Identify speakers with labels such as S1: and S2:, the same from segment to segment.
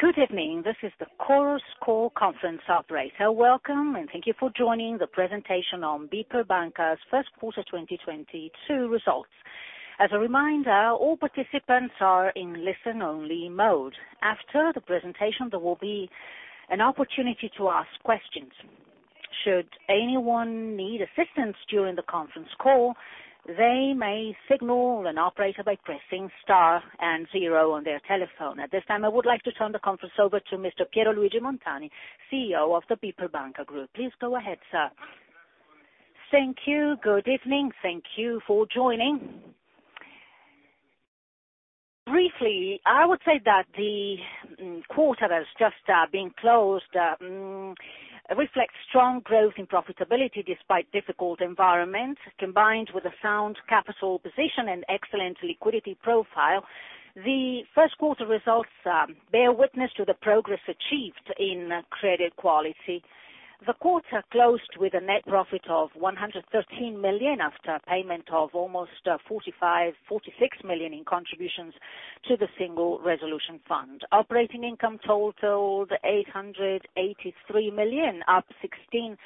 S1: Good evening. This is the Chorus Call Conference Operator. Welcome, and thank you for joining the presentation on BPER Banca's first quarter 2022 results. As a reminder, all participants are in listen-only mode. After the presentation, there will be an opportunity to ask questions. Should anyone need assistance during the conference call, they may signal an operator by pressing star and zero on their telephone. At this time, I would like to turn the conference over to Mr. Piero Luigi Montani
S2: Thank you. Good evening. Thank you for joining. Briefly, I would say that the quarter that's just been closed reflects strong growth in profitability despite difficult environment, combined with a sound capital position and excellent liquidity profile. The first quarter results bear witness to the progress achieved in credit quality. The quarter closed with a net profit of 113 million after payment of almost 45 million-46 million in contributions to the Single Resolution Fund. Operating income totaled 883 million, up 16.6%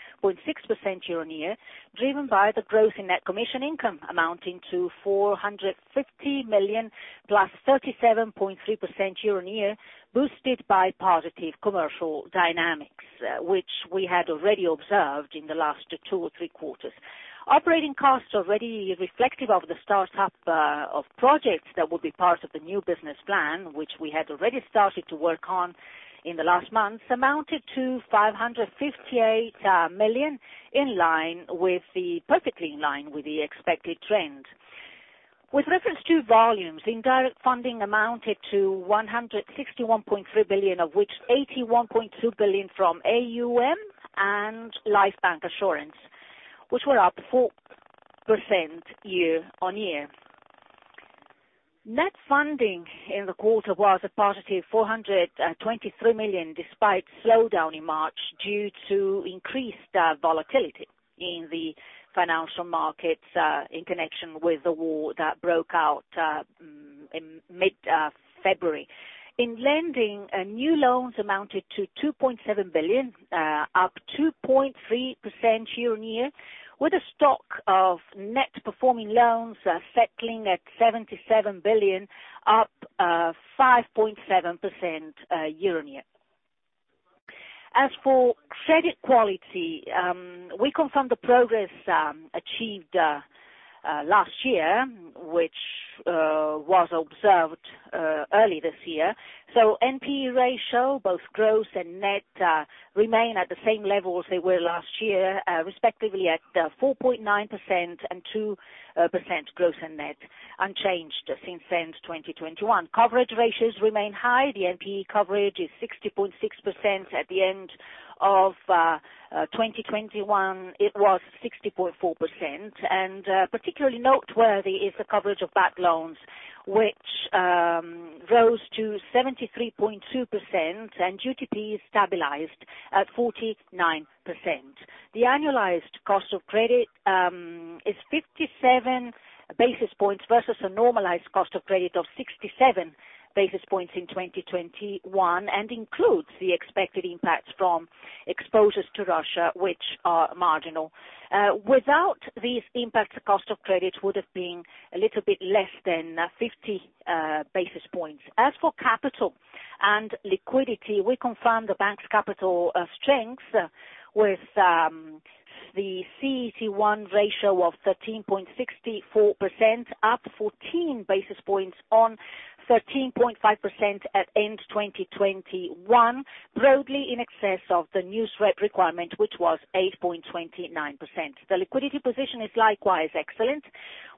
S2: year-on-year, driven by the growth in net commission income amounting to 450 million +37.3% year-on-year, boosted by positive commercial dynamics, which we had already observed in the last two or three quarters. Operating costs already reflective of the start up of projects that will be part of the new business plan, which we had already started to work on in the last months, amounted to 558 million, perfectly in line with the expected trend. With reference to volumes, indirect funding amounted to 161.3 billion, of which 81.2 billion from AUM and Life Bancassurance, which were up 4% year-on-year. Net funding in the quarter was a positive 423 million, despite slowdown in March due to increased volatility in the financial markets in connection with the war that broke out in mid February. In lending, new loans amounted to 2.7 billion, up 2.3% year-on-year, with a stock of net performing loans settling at 77 billion, up 5.7% year-on-year. As for credit quality, we confirm the progress achieved last year, which was observed early this year. NPE ratio, both gross and net, remain at the same level as they were last year, respectively at 4.9% and 2% gross and net, unchanged since end 2021. Coverage ratios remain high. The NPE coverage is 60.6%. At the end of 2021, it was 60.4%. Particularly noteworthy is the coverage of bad loans, which rose to 73.2%, and UTP is stabilized at 49%. The annualized cost of credit is 57 basis points versus a normalized cost of credit of 67 basis points in 2021, and includes the expected impact from exposures to Russia, which are marginal. Without these impacts, the cost of credit would have been a little bit less than 50 basis points. As for capital and liquidity, we confirm the bank's capital strength with the CET1 ratio of 13.64%, up 14 basis points on 13.5% at end 2021, broadly in excess of the new SREP requirement, which was 8.29%. The liquidity position is likewise excellent,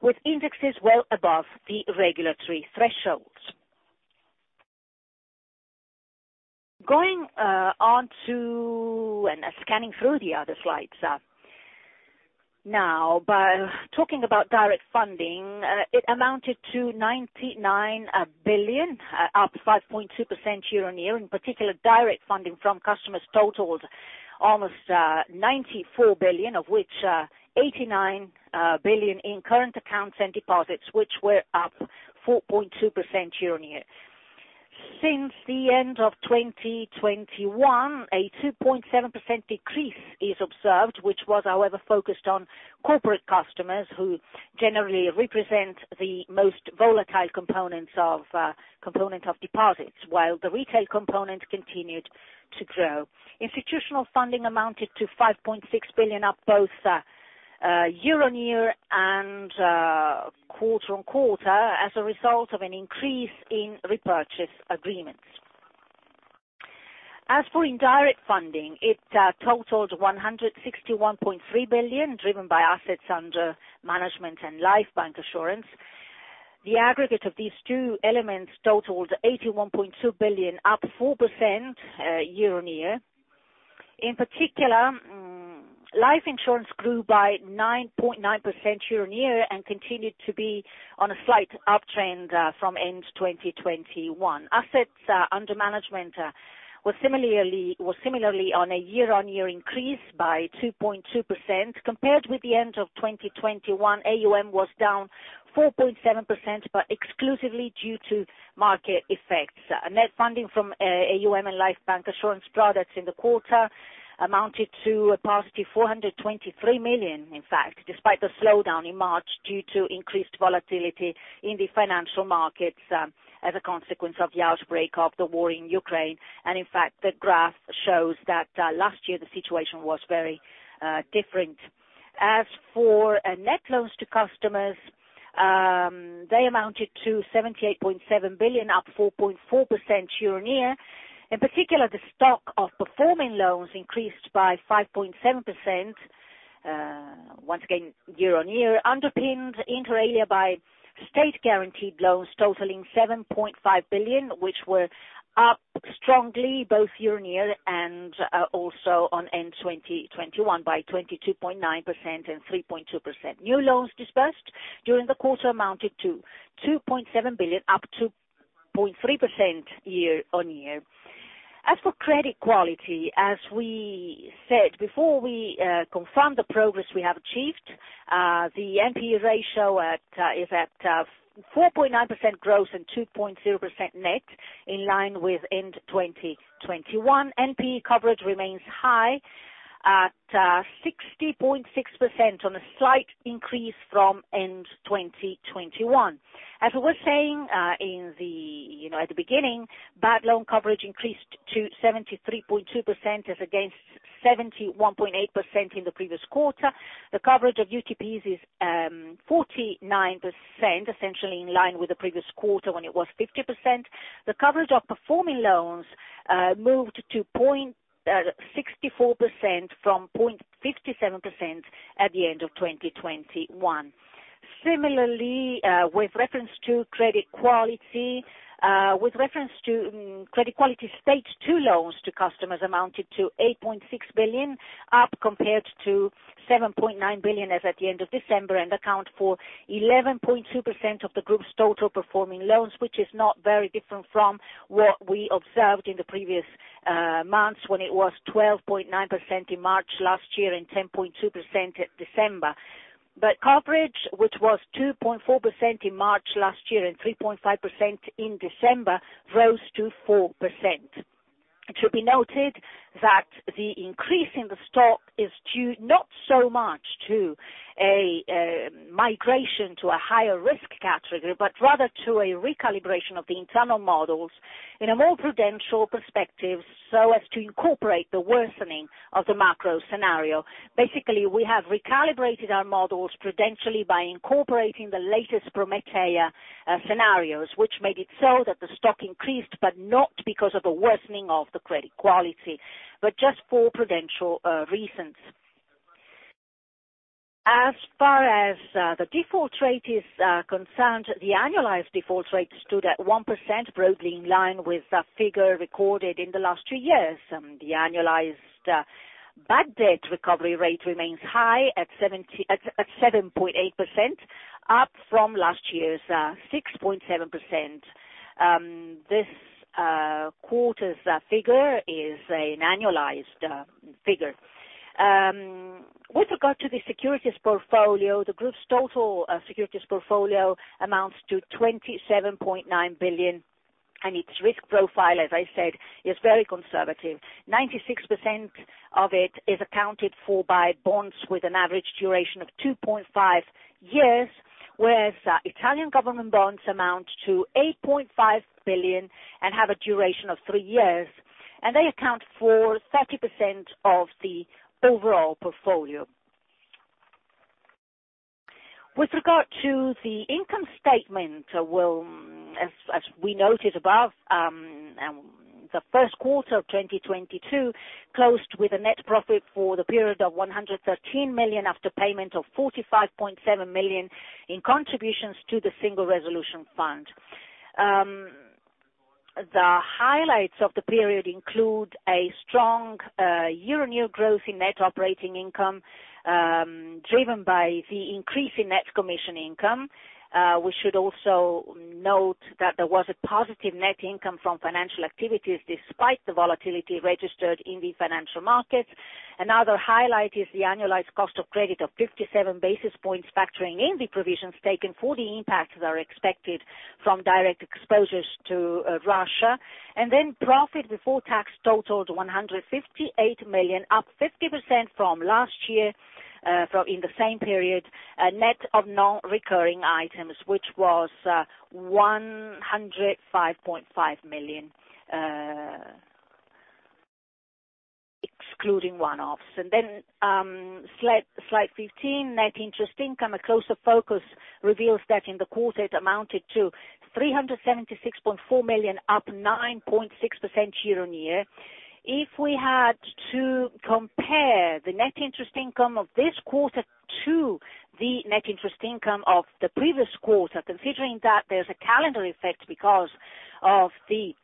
S2: with indexes well above the regulatory thresholds. Going on to scanning through the other slides, now by talking about direct funding, it amounted to 99 billion, up 5.2% year-on-year. In particular, direct funding from customers totaled almost 94 billion, of which 89 billion in current accounts and deposits, which were up 4.2% year-on-year. Since the end of 2021, a 2.7% decrease is observed, which was, however, focused on corporate customers who generally represent the most volatile components of deposits, while the retail component continued to grow. Institutional funding amounted to 5.6 billion, up both year-on-year and quarter-on-quarter as a result of an increase in repurchase agreements. As for indirect funding, it totaled 161.3 billion, driven by assets under management and Life Bancassurance. The aggregate of these two elements totaled 81.2 billion, up 4% year-on-year. In particular, life insurance grew by 9.9% year-on-year and continued to be on a slight uptrend from end 2021. Assets under management was similarly on a year-on-year increase by 2.2% compared with the end of 2021. AUM was down 4.7%, but exclusively due to market effects. Net funding from AUM and Life Bancassurance products in the quarter amounted to a positive 423 million. In fact, despite the slowdown in March due to increased volatility in the financial markets, as a consequence of the outbreak of the war in Ukraine. In fact, the graph shows that last year the situation was very different. As for net loans to customers, they amounted to 78.7 billion, up 4.4% year-on-year. In particular, the stock of performing loans increased by 5.7%. Once again, year-on-year, underpinned inter alia by state guaranteed loans totaling 7.5 billion, which were up strongly both year-on-year and also on end 2021 by 22.9% and 3.2%. New loans disbursed during the quarter amounted to 2.7 billion, up 2.3% year-on-year. As for credit quality, as we said before, we confirmed the progress we have achieved. The NPE ratio is at 4.9% gross and 2.0% net in line with end 2021. NPE coverage remains high at 60.6% on a slight increase from end 2021. As I was saying, in the you know at the beginning, bad loan coverage increased to 73.2% as against 71.8% in the previous quarter. The coverage of UTPs is 49%, essentially in line with the previous quarter when it was 50%. The coverage of performing loans moved to 0.64% from 0.57% at the end of 2021. Similarly, with reference to credit quality, Stage Two loans to customers amounted to 8.6 billion, up compared to 7.9 billion as at the end of December, and account for 11.2% of the group's total performing loans, which is not very different from what we observed in the previous months when it was 12.9% in March last year and 10.2% at December. Coverage, which was 2.4% in March last year and 3.5% in December, rose to 4%. It should be noted that the increase in the stock is due not so much to a migration to a higher risk category, but rather to a recalibration of the internal models in a more prudential perspective, so as to incorporate the worsening of the macro scenario. Basically, we have recalibrated our models prudentially by incorporating the latest Prometeia scenarios, which made it so that the stock increased, but not because of the worsening of the credit quality, but just for prudential reasons. As far as the default rate is concerned, the annualized default rate stood at 1%, broadly in line with the figure recorded in the last two years. The annualized bad debt recovery rate remains high at 7.8%, up from last year's 6.7%. This quarter's figure is an annualized figure. With regard to the securities portfolio, the group's total securities portfolio amounts to 27.9 billion, and its risk profile, as I said, is very conservative. 96% of it is accounted for by bonds with an average duration of 2.5 years, whereas Italian government bonds amount to 8.5 billion and have a duration of three years, and they account for 30% of the overall portfolio. With regard to the income statement, well, as we noted above, the first quarter of 2022 closed with a net profit for the period of 113 million after payment of 45.7 million in contributions to the Single Resolution Fund. The highlights of the period include a strong year-on-year growth in net operating income, driven by the increase in net commission income. We should also note that there was a positive net income from financial activities despite the volatility registered in the financial markets. Another highlight is the annualized cost of credit of 57 basis points, factoring in the provisions taken for the impacts that are expected from direct exposures to Russia. Profit before tax totaled 158 million, up 50% from the same period last year, net of non-recurring items, which was 105.5 million, excluding one-offs. Slide 15, net interest income. A closer focus reveals that in the quarter it amounted to 376.4 million, up 9.6% year-on-year. If we had to compare the net interest income of this quarter to the net interest income of the previous quarter, considering that there's a calendar effect because of the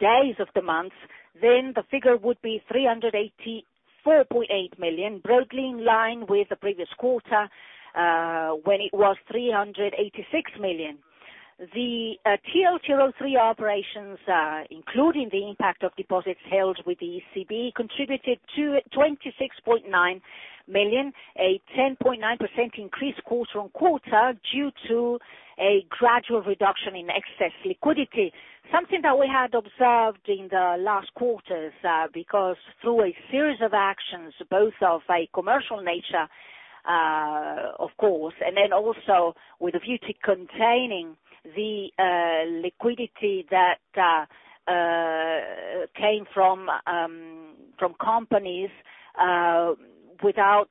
S2: days of the month, then the figure would be 384.8 million, broadly in line with the previous quarter, when it was 386 million. The TLTRO III operations, including the impact of deposits held with the ECB, contributed 26.9 million, a 10.9% increase quarter-over-quarter, due to a gradual reduction in excess liquidity. Something that we had observed in the last quarters, because through a series of actions, both of a commercial nature, of course, and then also with a view to containing the liquidity that came from companies without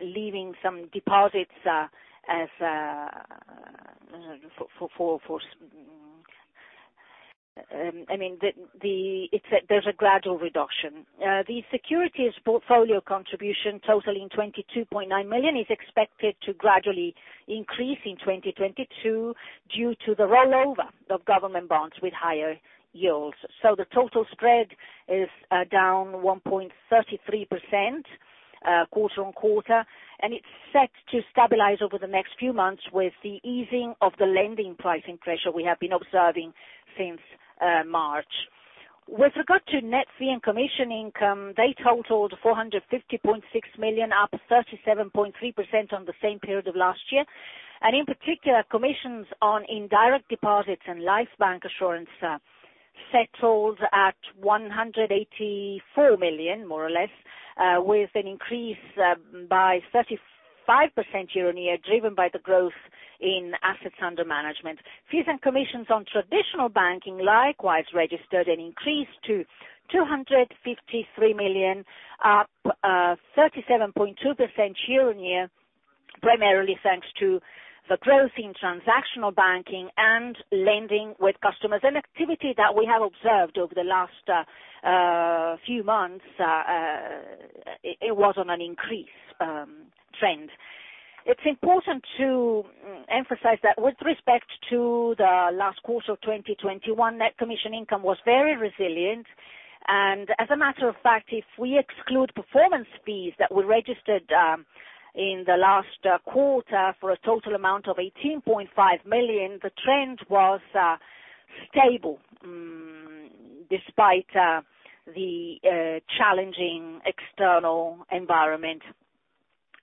S2: leaving some deposits. I mean, there's a gradual reduction. The securities portfolio contribution totaling 22.9 million is expected to gradually increase in 2022 due to the rollover of government bonds with higher yields. The total spread is down 1.33% quarter-on-quarter, and it's set to stabilize over the next few months with the easing of the lending pricing pressure we have been observing since March. With regard to net fee and commission income, they totaled 450.6 million, up 37.3% on the same period of last year. In particular, commissions on indirect deposits and life bancassurance settled at 184 million, more or less, with an increase by 35% year-over-year, driven by the growth in assets under management. Fees and commissions on traditional banking likewise registered an increase to 253 million, up 37.2% year-over-year, primarily thanks to the growth in transactional banking and lending with customers, an activity that we have observed over the last few months, it was on an increase trend. It's important to emphasize that with respect to the last quarter of 2021, net commission income was very resilient. As a matter of fact, if we exclude performance fees that were registered in the last quarter for a total amount of 18.5 million, the trend was stable despite the challenging external environment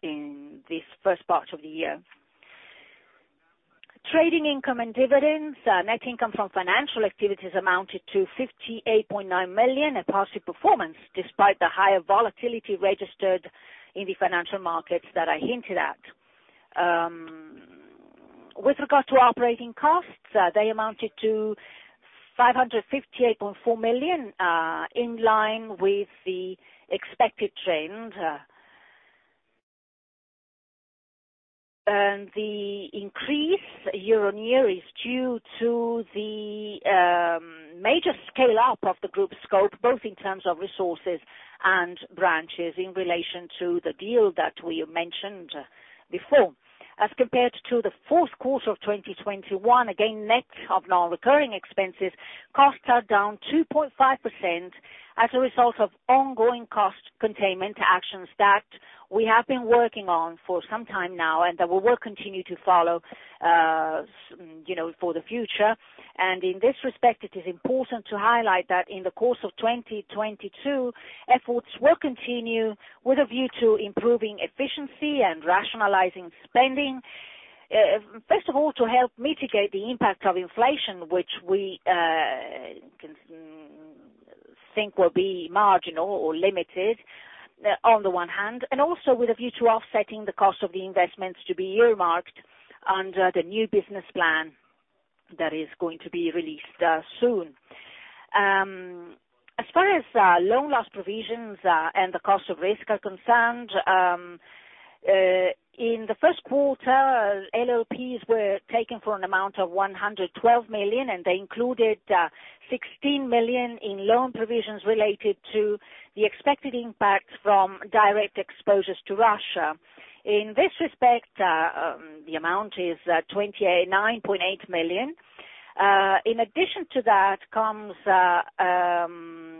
S2: in this first part of the year. Trading income and dividends net income from financial activities amounted to 58.9 million, a positive performance despite the higher volatility registered in the financial markets that I hinted at. With regard to operating costs, they amounted to 558.4 million in line with the expected trend. The increase year-on-year is due to the major scale up of the group scope, both in terms of resources and branches in relation to the deal that we mentioned before. As compared to the fourth quarter of 2021, again, net of non-recurring expenses, costs are down 2.5% as a result of ongoing cost containment actions that we have been working on for some time now and that we will continue to follow, you know, for the future. In this respect, it is important to highlight that in the course of 2022, efforts will continue with a view to improving efficiency and rationalizing spending, first of all, to help mitigate the impact of inflation, which we can think will be marginal or limited on the one hand, and also with a view to offsetting the cost of the investments to be earmarked under the new business plan that is going to be released, soon. As far as loan loss provisions and the cost of risk are concerned, in the first quarter, LLPs were taken for an amount of 112 million, and they included 16 million in loan provisions related to the expected impact from direct exposures to Russia. In this respect, the amount is 28 million, EUR 9.8 million.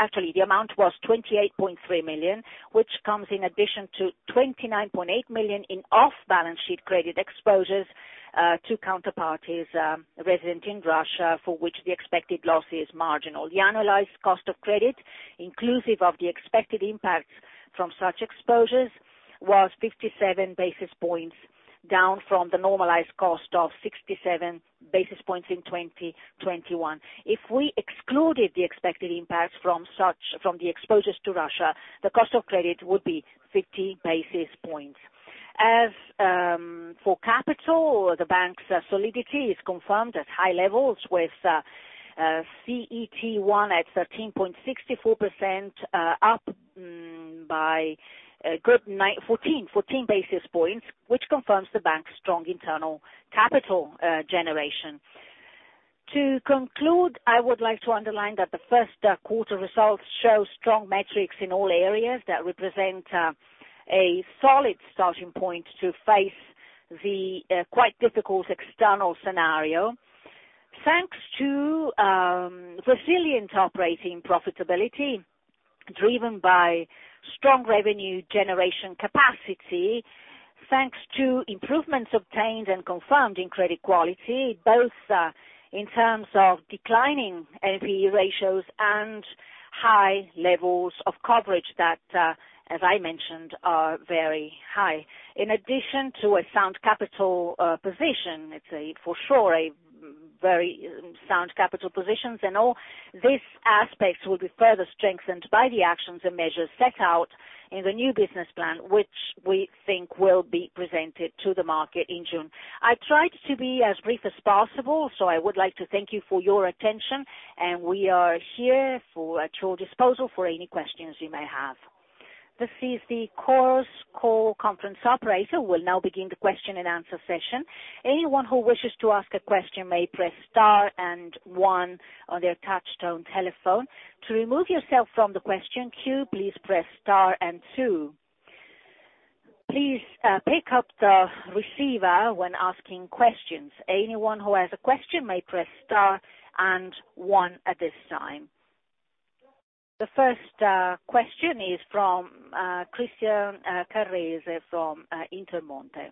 S2: Actually, the amount was 28.3 million, which comes in addition to 29.8 million in off-balance sheet credit exposures to counterparties resident in Russia, for which the expected loss is marginal. The analyzed cost of credit, inclusive of the expected impacts from such exposures, was 57 basis points down from the normalized cost of 67 basis points in 2021. If we excluded the expected impacts from the exposures to Russia, the cost of credit would be 50 basis points. As for capital, the bank's solidity is confirmed at high levels with CET1 at 13.64%, up by 14 basis points, which confirms the bank's strong internal capital generation. To conclude, I would like to underline that the first quarter results show strong metrics in all areas that represent a solid starting point to face the quite difficult external scenario. Thanks to resilient operating profitability driven by strong revenue generation capacity, thanks to improvements obtained and confirmed in credit quality, both in terms of declining NPE ratios and high levels of coverage that, as I mentioned, are very high. In addition to a sound capital position, it's for sure a very sound capital position and all these aspects will be further strengthened by the actions and measures set out in the new business plan, which we think will be presented to the market in June. I tried to be as brief as possible, so I would like to thank you for your attention, and we are here at your disposal for any questions you may have.
S1: This is the Chorus Call conference operator. We'll now begin the question and answer session. Anyone who wishes to ask a question may press star and one on their touch-tone telephone. To remove yourself from the question queue, please press star and two. Please pick up the receiver when asking questions. Anyone who has a question may press star and one at this time. The first question is from Christian Carrese from Intermonte.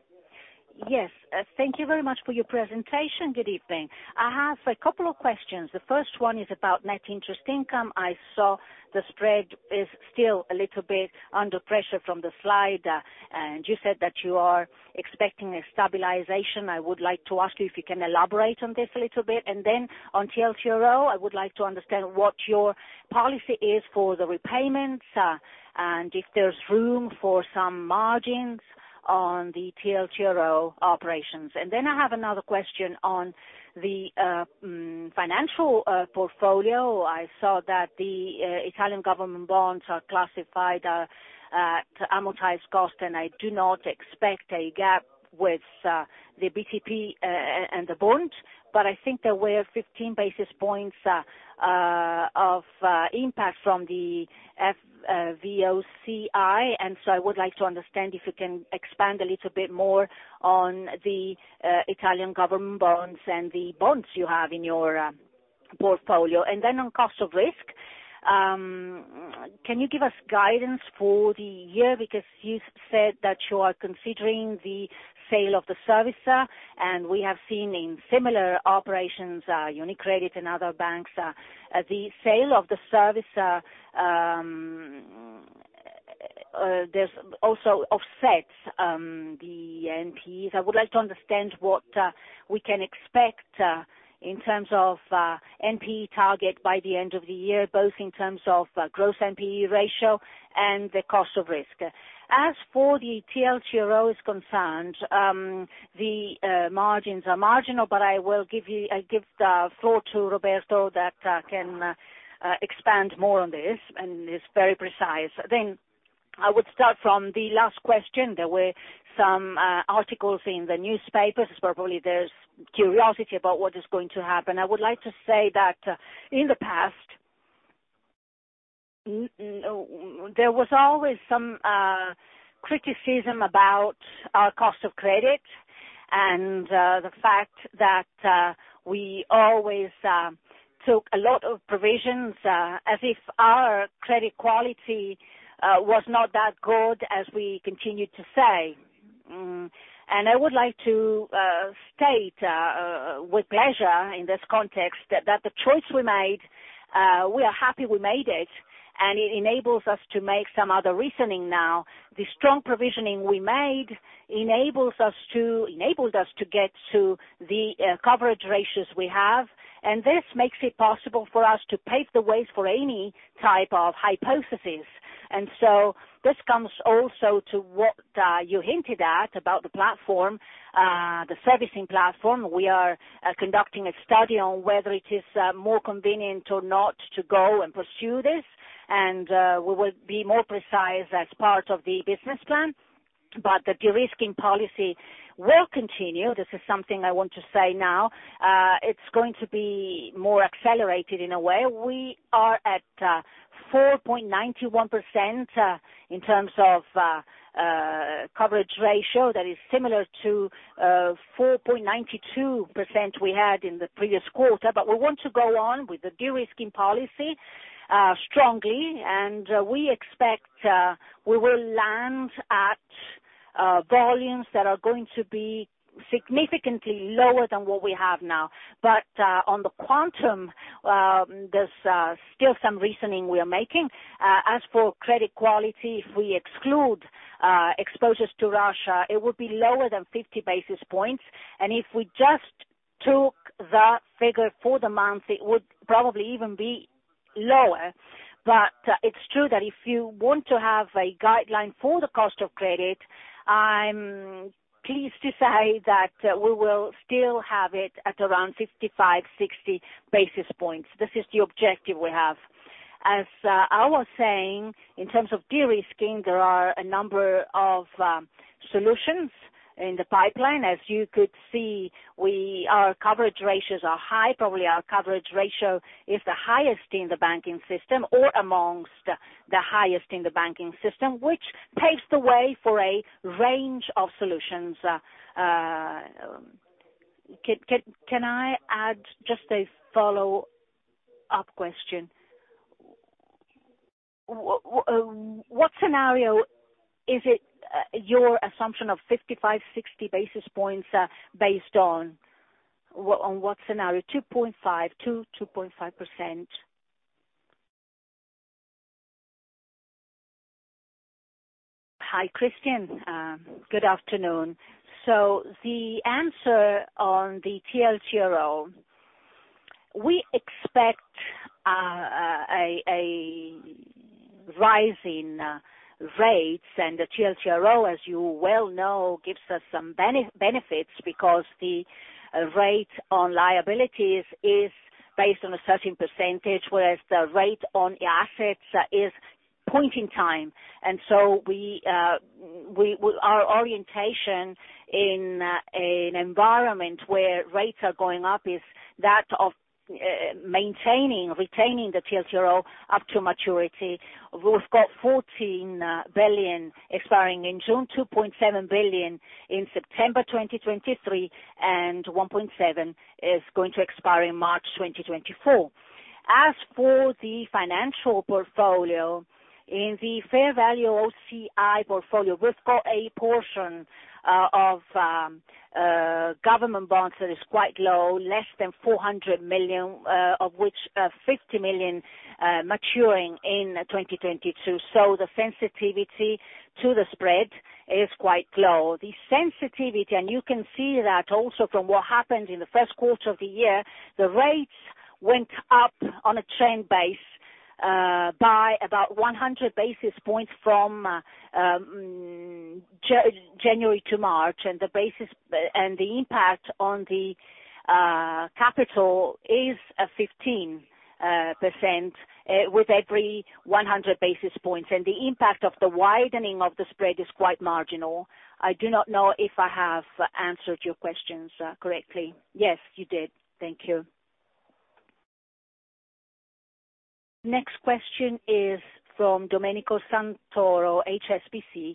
S3: Yes. Thank you very much for your presentation. Good evening. I have a couple of questions. The first one is about net interest income. I saw the spread is still a little bit under pressure from the slide, and you said that you are expecting a stabilization. I would like to ask you if you can elaborate on this a little bit. Then on TLTRO, I would like to understand what your policy is for the repayments, and if there's room for some margins on the TLTRO operations. I have another question on the financial portfolio. I saw that the Italian government bonds are classified at amortized cost, and I do not expect a gap with the BTP and the bonds, but I think there were 15 basis points of impact from the FVOCI, and so I would like to understand if you can expand a little bit more on the Italian government bonds and the bonds you have in your portfolio. On cost of risk, can you give us guidance for the year? Because you said that you are considering the sale of the servicer, and we have seen in similar operations, UniCredit and other banks, the sale of the servicer, there's also offsets to the NPEs. I would like to understand what we can expect in terms of NPE target by the end of the year, both in terms of gross NPE ratio and the cost of risk.
S2: As for the TLTRO is concerned, the margins are marginal, but I give the floor to Roberto that can expand more on this, and it's very precise. I would start from the last question. There were some articles in the newspapers where probably there's curiosity about what is going to happen. I would like to say that in the past there was always some criticism about our cost of credit and the fact that we always took a lot of provisions as if our credit quality was not that good as we continued to say. I would like to state with pleasure in this context that the choice we made, we are happy we made it, and it enables us to make some other reasoning now. The strong provisioning we made enabled us to get to the coverage ratios we have, and this makes it possible for us to pave the way for any type of hypothesis. This comes also to what you hinted at about the platform, the servicing platform. We are conducting a study on whether it is more convenient or not to go and pursue this. We will be more precise as part of the business plan. The de-risking policy will continue. This is something I want to say now. It's going to be more accelerated in a way. We are at 4.91% in terms of coverage ratio that is similar to 4.92% we had in the previous quarter. We want to go on with the de-risking policy strongly, and we expect we will land at volumes that are going to be significantly lower than what we have now. On the quantum, there's still some reasoning we are making. As for credit quality, if we exclude exposures to Russia, it would be lower than 50 basis points. If we just took that figure for the month, it would probably even be lower. It's true that if you want to have a guideline for the cost of credit, I'm pleased to say that we will still have it at around 55-60 basis points. This is the objective we have. As I was saying, in terms of de-risking, there are a number of solutions in the pipeline. As you could see, our coverage ratios are high. Probably our coverage ratio is the highest in the banking system or among the highest in the banking system, which paves the way for a range of solutions.
S3: Can I add just a follow-up question? What scenario is it your assumption of 55-60 basis points based on? On what scenario? 2.5%-2.5%.
S4: Hi, Christian. Good afternoon. The answer on the TLTRO, we expect a rise in rates. The TLTRO, as you well know, gives us some benefits because the rate on liabilities is based on a certain percentage, whereas the rate on the assets is point in time. Our orientation in an environment where rates are going up is that of maintaining, retaining the TLTRO up to maturity. We've got 14 billion expiring in June, 2.7 billion in September 2023, and 1.7 billion is going to expire in March 2024. As for the financial portfolio, in the fair value OCI portfolio, we've got a portion of government bonds that is quite low, less than 400 million, of which 50 million maturing in 2022. The sensitivity to the spread is quite low. The sensitivity, and you can see that also from what happened in the first quarter of the year, the rates went up on a trend base by about 100 basis points from January to March. The basis and the impact on the capital is 15% with every 100 basis points. The impact of the widening of the spread is quite marginal. I do not know if I have answered your questions correctly.
S3: Yes, you did. Thank you.
S1: Next question is from Domenico Santoro, HSBC.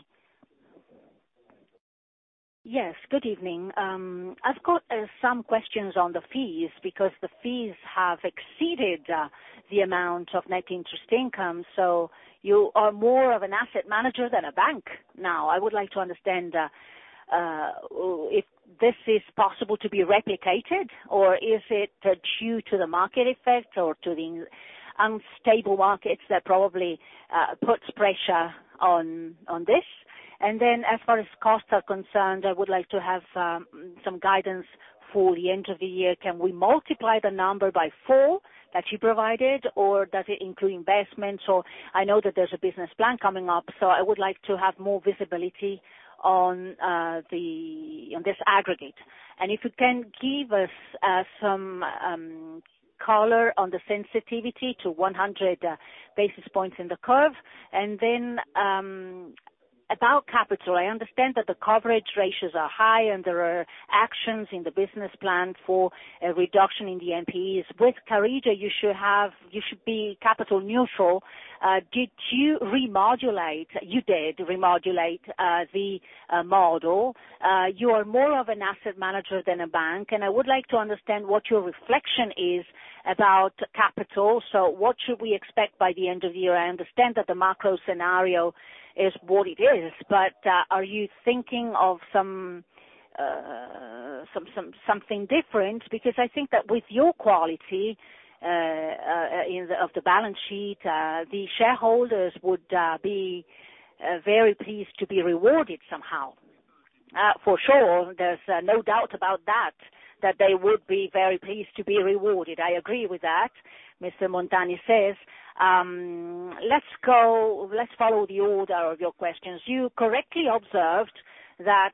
S5: Yes, good evening. I've got some questions on the fees because the fees have exceeded the amount of net interest income, so you are more of an asset manager than a bank now. I would like to understand if this is possible to be replicated or is it due to the market effect or to the unstable markets that probably puts pressure on this? As far as costs are concerned, I would like to have some guidance for the end of the year. Can we multiply the number by four that you provided, or does it include investments, or? I know that there's a business plan coming up, so I would like to have more visibility on this aggregate. If you can give us some color on the sensitivity to 100 basis points in the curve? About capital, I understand that the coverage ratios are high, and there are actions in the business plan for a reduction in the NPEs. With Carige, you should be capital neutral. Did you remodel the model? You are more of an asset manager than a bank, and I would like to understand what your reflection is about capital. What should we expect by the end of the year? I understand that the macro scenario is what it is, but are you thinking of something different? Because I think that with your quality of the balance sheet, the shareholders would be very pleased to be rewarded somehow.
S2: For sure. There's no doubt about that they would be very pleased to be rewarded. I agree with that, Mr. Montani says. Let's follow the order of your questions. You correctly observed that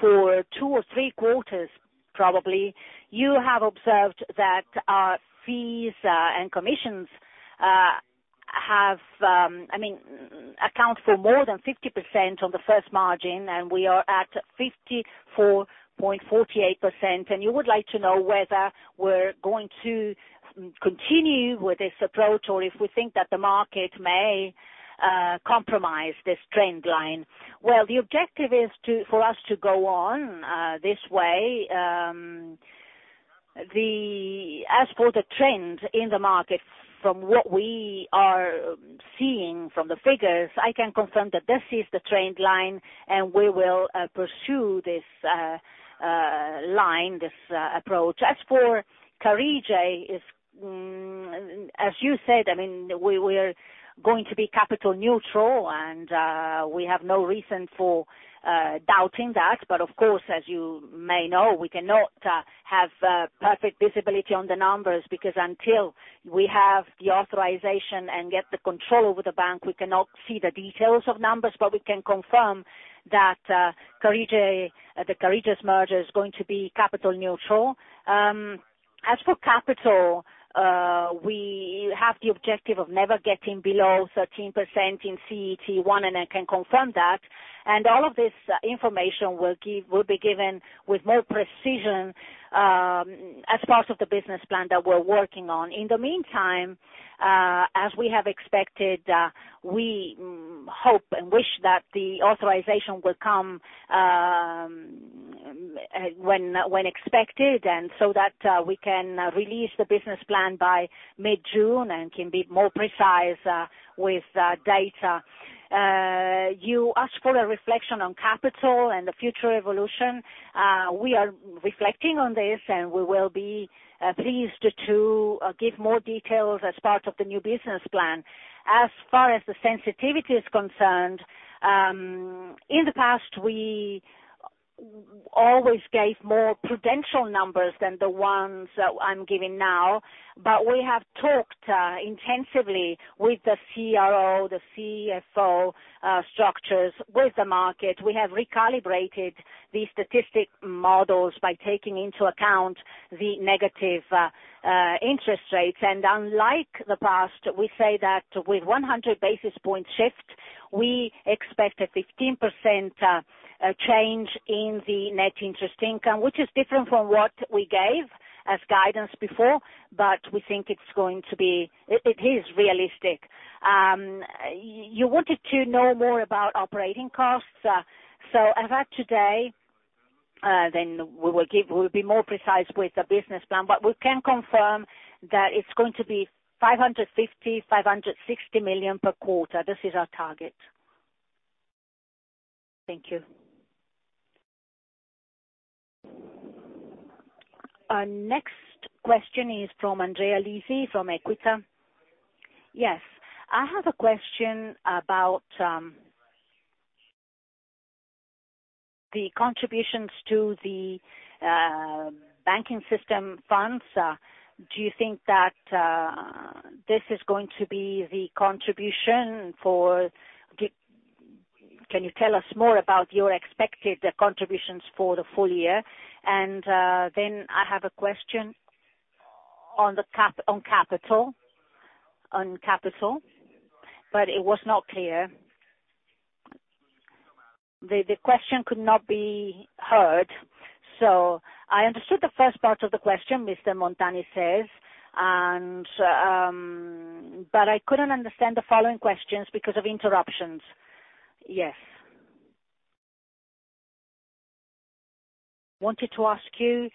S2: for two or three quarters probably, you have observed that our fees and commissions have I mean account for more than 50% on the first margin, and we are at 54.48%. You would like to know whether we're going to continue with this approach or if we think that the market may compromise this trend line. Well, the objective is for us to go on this way. As for the trend in the market, from what we are seeing from the figures, I can confirm that this is the trend line, and we will pursue this line, this approach. As for Carige, as you said, I mean, we're going to be capital neutral, and we have no reason for doubting that. Of course, as you may know, we cannot have perfect visibility on the numbers because until we have the authorization and get the control over the bank, we cannot see the details of numbers. We can confirm that Carige, the Carige merger is going to be capital neutral. As for capital, we have the objective of never getting below 13% in CET1, and I can confirm that. All of this information will be given with more precision as part of the business plan that we're working on. In the meantime, as we have expected, we hope and wish that the authorization will come when expected, and so that we can release the business plan by mid-June, and can be more precise with data. You asked for a reflection on capital and the future evolution. We are reflecting on this, and we will be pleased to give more details as part of the new business plan. As far as the sensitivity is concerned, in the past, we always gave more prudential numbers than the ones that I'm giving now. We have talked intensively with the CRO, the CFO, structures, with the market. We have recalibrated the statistical models by taking into account the negative interest rates. Unlike the past, we say that with 100 basis point shift, we expect a 15% change in the net interest income, which is different from what we gave as guidance before, but we think it is realistic. You wanted to know more about operating costs. As of today, we'll be more precise with the business plan, but we can confirm that it's going to be 550 million-560 million per quarter. This is our target.
S1: Thank you. Our next question is from Andrea Lisi from Equita.
S6: Yes. I have a question about the contributions to the banking system funds. Do you think that this is going to be the contribution for the full year? Can you tell us more about your expected contributions for the full year? I have a question on the cap on capital, but it was not clear.
S2: The question could not be heard, so I understood the first part of the question. But I couldn't understand the following questions because of interruptions.
S6: Wanted to ask you,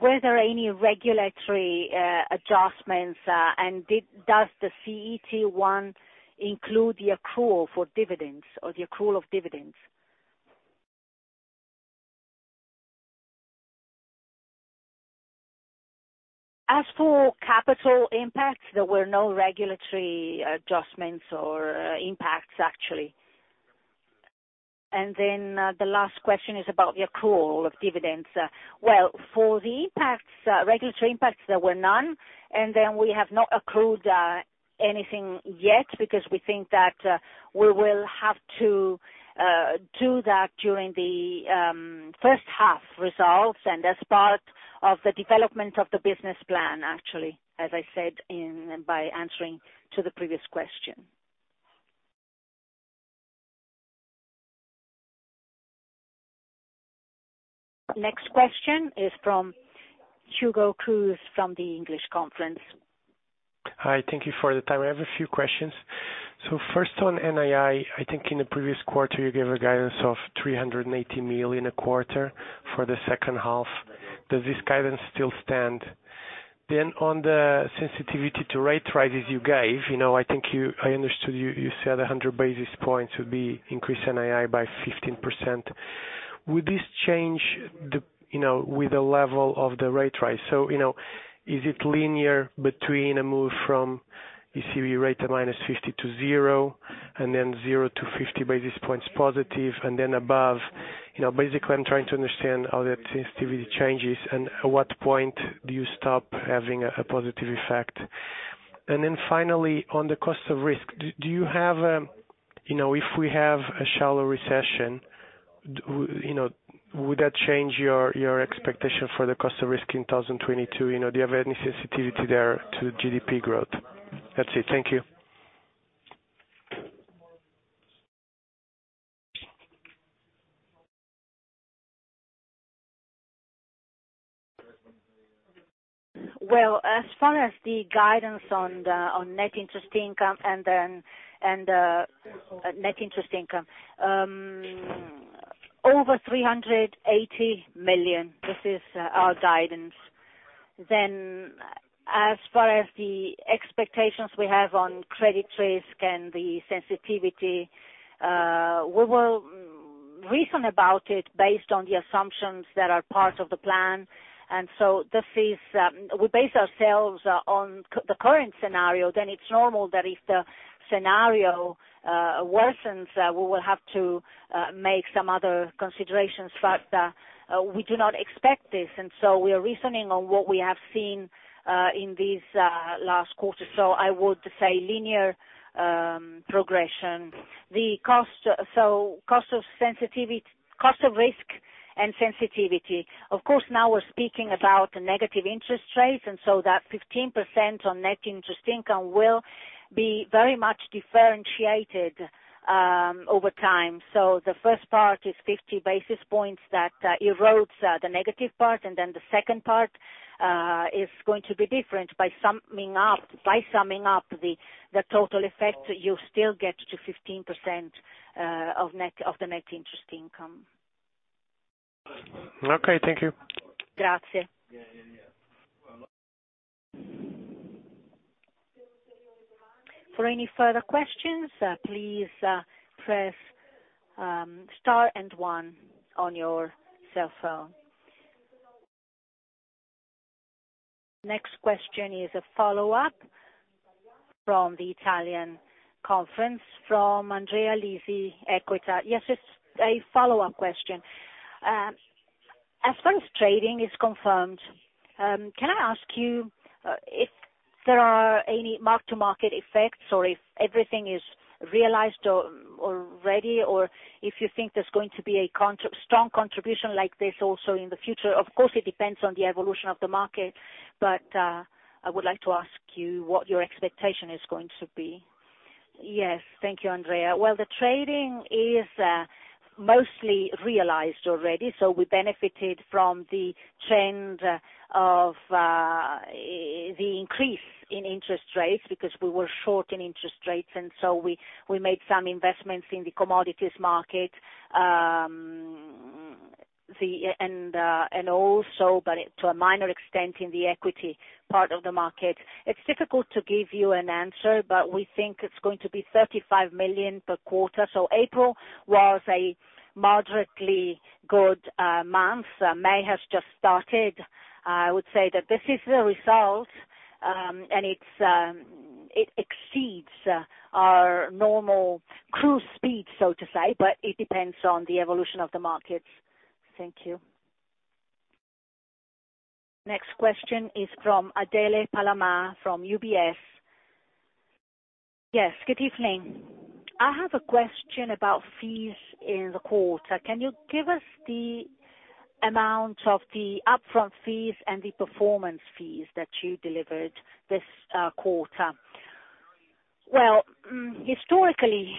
S6: were there any regulatory adjustments, and does the CET1 include the accrual for dividends or the accrual of dividends?
S2: As for capital impacts, there were no regulatory adjustments or impacts, actually. The last question is about the accrual of dividends. Well, for the impacts, regulatory impacts, there were none. We have not accrued anything yet because we think that we will have to do that during the first half results and as part of the development of the business plan, actually, as I said in by answering to the previous question.
S1: Next question is from Hugo Cruz from Keefe, Bruyette & Woods
S7: Hi. Thank you for the time. I have a few questions. First on NII, I think in the previous quarter, you gave a guidance of 380 million in a quarter for the second half. Does this guidance still stand? On the sensitivity to rate rises you gave, you know, I think you, I understood you said 100 basis points would be increase NII by 15%. Would this change the, you know, with the level of the rate rise? You know, is it linear between a move from ECB rate at -50 to zero, and then zero to 50 basis points positive, and then above? You know, basically, I'm trying to understand how that sensitivity changes and at what point do you stop having a positive effect. Finally, on the cost of risk, do you have a, you know, if we have a shallow recession, you know, would that change your expectation for the cost of risk in 2022? You know, do you have any sensitivity there to GDP growth? That's it. Thank you.
S2: Well, as far as the guidance on net interest income over 380 million, this is our guidance. As far as the expectations we have on credit risk and the sensitivity, we will reason about it based on the assumptions that are part of the plan. We base ourselves on the current scenario. It's normal that if the scenario worsens, we will have to make some other considerations, but we do not expect this. We are reasoning on what we have seen in these last quarters. I would say linear progression. The cost of risk and sensitivity. Of course, now we're speaking about negative interest rates, and that 15% on net interest income will be very much differentiated over time. The first part is 50 basis points that erodes the negative part, and then the second part is going to be different. By summing up the total effect, you still get to 15% of the net interest income.
S7: Okay, thank you. Grazie.
S1: For any further questions, please press star and one on your cell phone. Next question is a follow-up from the Italian conference from Andrea Lisi, Equita.
S6: Yes, it's a follow-up question. As far as trading is concerned, can I ask you if there are any mark-to-market effects or if everything is realized or already, or if you think there's going to be a strong contribution like this also in the future? Of course, it depends on the evolution of the market, but I would like to ask you what your expectation is going to be.
S2: Yes. Thank you, Andrea. Well, the trading is mostly realized already. We benefited from the trend of the increase in interest rates because we were short in interest rates, and we made some investments in the commodities market. And also, but to a minor extent in the equity part of the market. It's difficult to give you an answer, but we think it's going to be 35 million per quarter. April was a moderately good month. May has just started. I would say that this is the result, and it exceeds our normal cruise speed, so to say, but it depends on the evolution of the markets.
S1: Thank you. Next question is from Adele Palama from UBS.
S8: Yes, good evening. I have a question about fees in the quarter. Can you give us the amount of the upfront fees and the performance fees that you delivered this quarter?
S2: Well, historically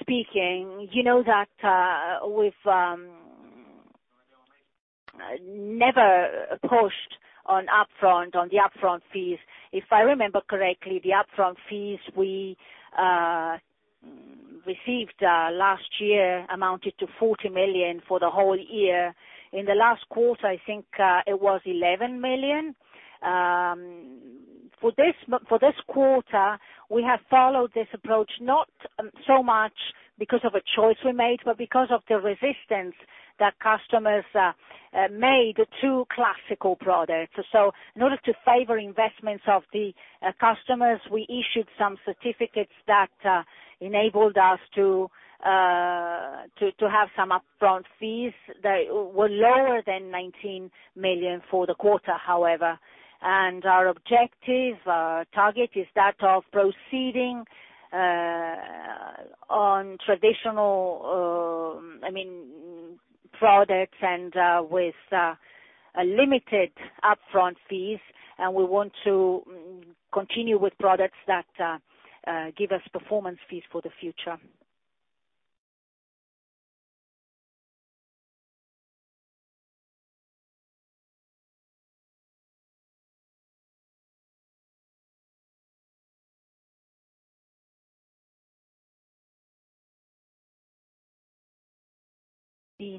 S2: speaking, you know that, we've never pushed on upfront on the upfront fees. If I remember correctly, the upfront fees we received last year amounted to 40 million for the whole year. In the last quarter, I think it was 11 million. For this quarter, we have followed this approach, not so much because of a choice we made, but because of the resistance that customers made to classical products. In order to favor investments of the customers, we issued some certificates that enabled us to have some upfront fees that were lower than 19 million for the quarter, however. Our objective target is that of proceeding on traditional, I mean, products and with limited upfront fees. We want to continue with products that give us performance fees for the future.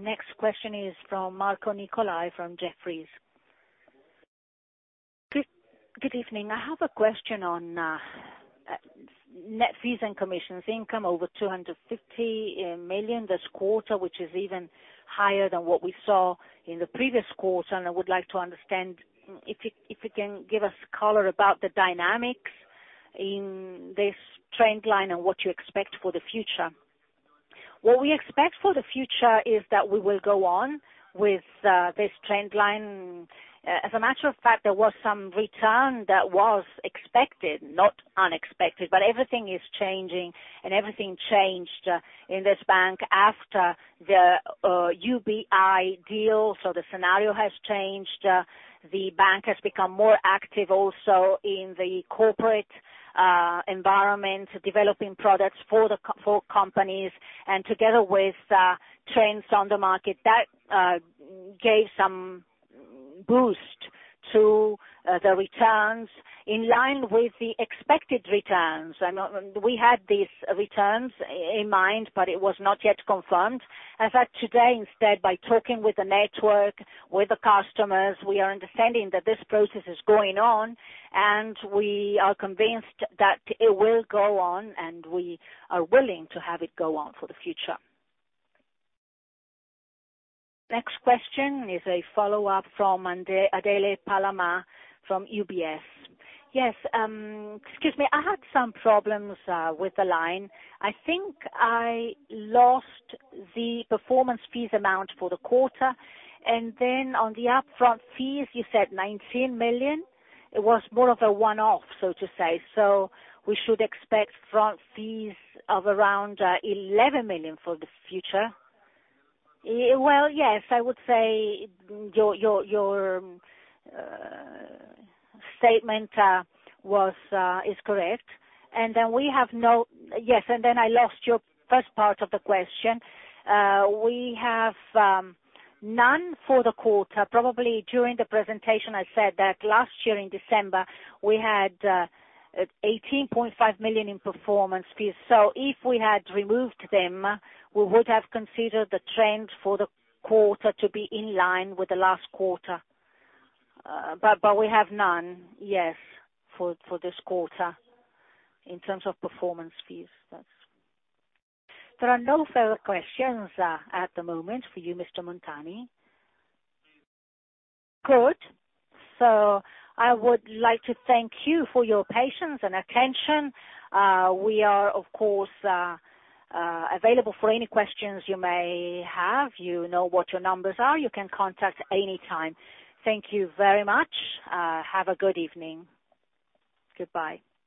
S1: The next question is from Marco Nicolai, from Jefferies.
S9: Good evening. I have a question on net fees and commissions income over 250 million this quarter, which is even higher than what we saw in the previous quarter. I would like to understand if you can give us color about the dynamics in this trend line and what you expect for the future.
S2: What we expect for the future is that we will go on with this trend line. As a matter of fact, there was some return that was expected, not unexpected. Everything is changing and everything changed in this bank after the UBI deal. The scenario has changed. The bank has become more active also in the corporate environment, developing products for companies and together with trends on the market that gave some boost to the returns in line with the expected returns. We had these returns in mind, but it was not yet confirmed. As at today instead, by talking with the network, with the customers, we are understanding that this process is going on, and we are convinced that it will go on, and we are willing to have it go on for the future.
S1: Next question is a follow-up from Adele Palama from UBS.
S8: Yes. Excuse me. I had some problems with the line. I think I lost the performance fees amount for the quarter. On the upfront fees, you said 19 million. It was more of a one-off, so to say. We should expect front fees of around 11 million for the future.
S2: Well, yes. I would say your statement is correct. Yes, and then I lost your first part of the question. We have none for the quarter. Probably during the presentation, I said that last year in December, we had 18.5 million in performance fees. If we had removed them, we would have considered the trend for the quarter to be in line with the last quarter. But we have none, yes, for this quarter in terms of performance fees.
S1: There are no further questions at the moment for you, Mr. Montani.
S2: Good. I would like to thank you for your patience and attention. We are, of course, available for any questions you may have. You know what your numbers are. You can contact any time. Thank you very much. Have a good evening. Goodbye.